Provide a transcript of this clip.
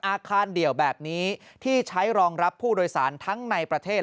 อาคารเดี่ยวแบบนี้ที่ใช้รองรับผู้โดยสารทั้งในประเทศ